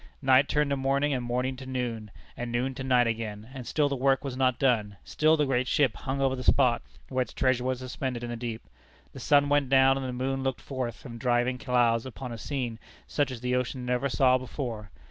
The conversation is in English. Night turned to morning, and morning to noon, and noon to night again, and still the work was not done; still the great ship hung over the spot where its treasure was suspended in the deep. The sun went down, and the moon looked forth from driving clouds upon a scene such as the ocean never saw before.